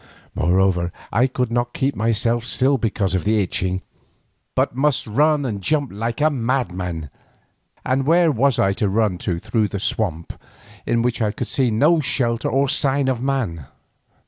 Moreover I could not keep myself still because of the itching, but must run and jump like a madman. And where was I to run to through this huge swamp, in which I could see no shelter or sign of man?